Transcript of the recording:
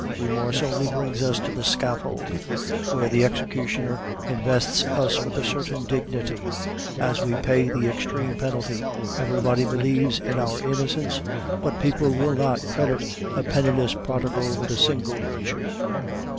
Remorse only brings us to the scaffold, where the executioner invests us with a certain dignity; as we pay the extreme penalty, everybody believes in our innocence; but people will not credit a penniless prodigal with a single virtue.